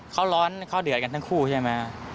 เขาร้อนเขาเดือดกันทั้งคู่ใช่ไหม